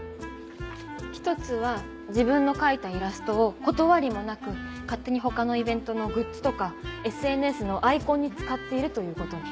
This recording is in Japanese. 一つは自分の描いたイラストを断りもなく勝手に他のイベントのグッズとかＳＮＳのアイコンに使っているということに。